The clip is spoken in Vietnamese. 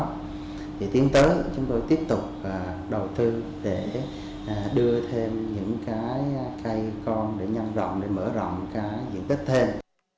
thì tiến tới chúng tôi tiếp tục đầu tư để đưa thêm những cái cây con để nhân rộng để mở rộng cái diện tích thêm